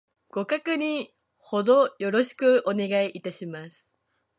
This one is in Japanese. ご確認の程よろしくお願いいたします